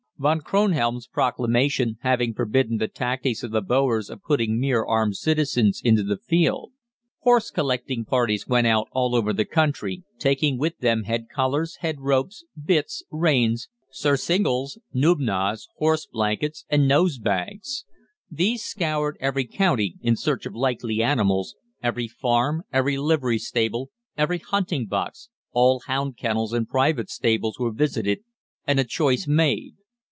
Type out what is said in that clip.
Von Kronhelm's proclamation having forbidden the tactics of the Boers of putting mere armed citizens into the field. Horse collecting parties went out all over the country, taking with them head collars, head ropes, bits, reins, surcingles, numnahs, horse blankets, and nose bags. These scoured every county in search of likely animals, every farm, every livery stable, every hunting box, all hound kennels and private stables were visited, and a choice made.